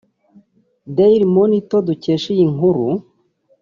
Daily monitor dukesha iyi nkuru